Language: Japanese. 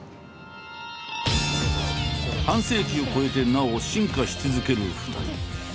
半世紀を超えてなお進化し続ける２人。